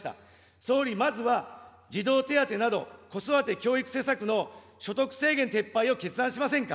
総理、まずは児童手当など、子育て教育施策の所得制限撤廃を決断しませんか。